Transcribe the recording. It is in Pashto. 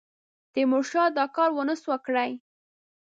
تیمورشاه دا کار ونه سو کړای.